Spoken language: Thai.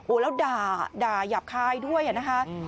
โอ้แล้วด่าด่ายาบคายด้วยแหละนะฮะ